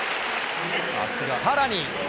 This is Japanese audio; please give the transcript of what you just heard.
さらに。